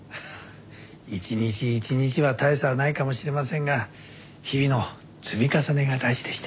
一日一日は大差はないかもしれませんが日々の積み重ねが大事でして。